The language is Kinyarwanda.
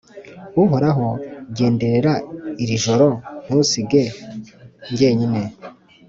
uhoraho genderera irijoro ntusige ngenyine